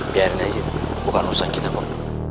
biarin aja bukan urusan kita kok